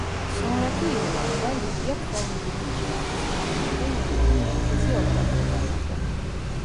Sonraki yıllarda Libya kralı birinci İdris döneminde yönetim merkezi olarak kullanıldı.